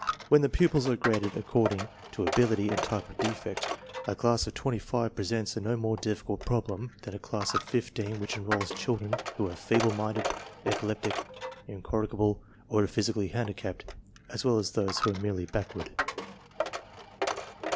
When the pupils are graded according to ability and type of defect, a class of twenty five presents a no more difficult prob lem than a class of fifteen which enrolls children who are feeble minded, epileptic, incorrigible, or physically handicapped as well as those who are merely back ward.